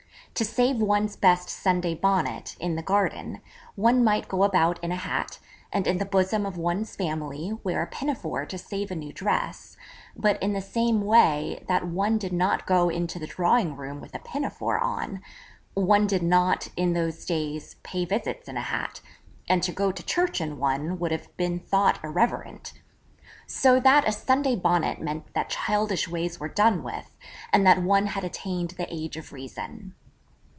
To save one's best Sunday Bonnet, in the garden, one might go about in a hat, and in the bosom of one's family wear a pinafore to save a new dress; but in the same way that one did not go into the drawing room with a pinafore on, one did not, in those days, pay visits in a hat: and to go to church in one would have been thought irreverent. So that a Sunday Bonnet meant that childish ways were done with, and that one had attained the age of reason.